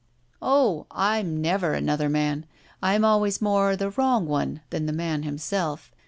"Oh, I'm never another man I'm always more the wrong one than the man himself.